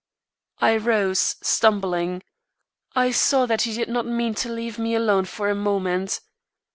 I rose, stumbling. I saw that he did not mean to leave me alone for a moment.